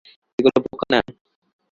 এগুলো পোকা না?